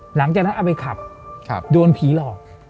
หลังจากนั้นเอาไปขับโดนผีหลอก